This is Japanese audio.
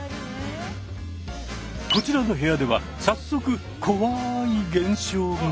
こちらの部屋では早速怖い現象が。